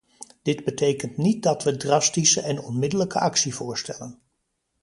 Dit betekent niet dat we drastische en onmiddellijke actie voorstellen.